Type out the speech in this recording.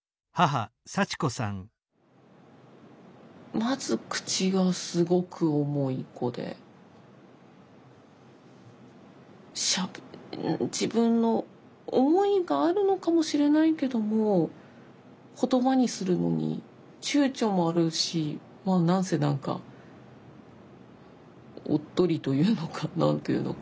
まず口がすごく重い子で自分の思いがあるのかもしれないけども言葉にするのにちゅうちょもあるし何せ何かおっとりというのか何というのか。